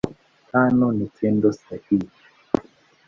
Tano ni Tendo sahihi.